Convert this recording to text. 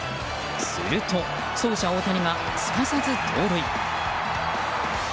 すると走者・大谷がすかさず盗塁。